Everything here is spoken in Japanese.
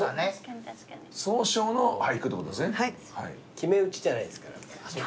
決め打ちじゃないですから。